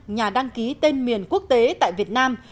nhà đăng ký tên miền quốc tế tại việt nam